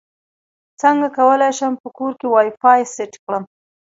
څنګه کولی شم په کور کې وائی فای سیټ کړم